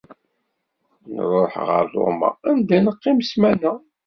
Nruḥ ɣer Ruma, anda neqqim ssmana.